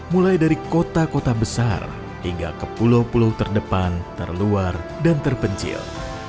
mulai dari kota kota besar hingga ke pulau pulau terdepan terluar dan terpencil